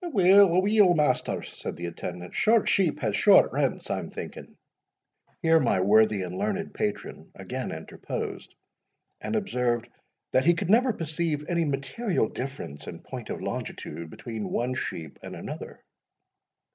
"Aweel, aweel, maister," said the attendant, "short sheep had short rents, I'm thinking." Here my WORTHY AND LEARNED patron again interposed, and observed, "that he could never perceive any material difference, in point of longitude, between one sheep and another."